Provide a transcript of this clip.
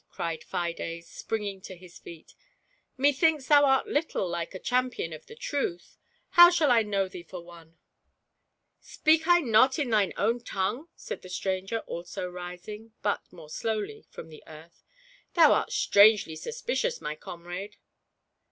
cried Fides, springing to his feet; "methinks thou art little like a champion of the Truth; how shall I know thee for one ?" "Speak I not in thine own tongue ?" said the stran ger, also rising, but more slowly, from the earth ;" thou art strangely suspicious, my comrade